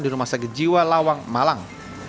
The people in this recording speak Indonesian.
di rumah sakit jiwa lawang malang